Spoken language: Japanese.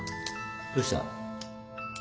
どうした？